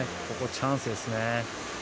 ここ、チャンスですね。